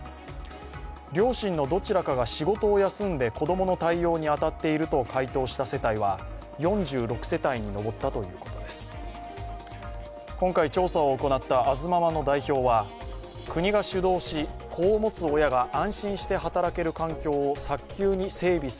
両親のどちらかが仕事を休んで子供の対応に当たっていると回答した世帯は４６世帯に上ったということです。